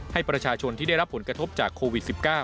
ให้ประชาชนที่ได้รับผลกระทบจากโควิด๑๙